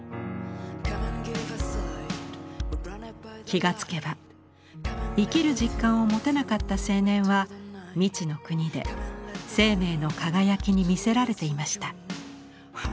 気が付けば生きる実感を持てなかった青年は未知の国で生命の輝きに魅せられていました。